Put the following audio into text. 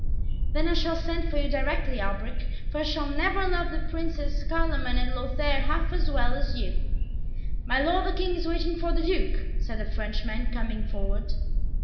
"Then I shall send for you directly, Alberic, for I shall never love the Princes Carloman and Lothaire half as well as you!" "My Lord the King is waiting for the Duke," said a Frenchman, coming forward.